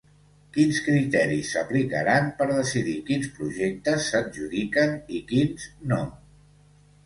Quins criteris s’aplicaran per decidir quins projectes s’adjudiquen i quins no?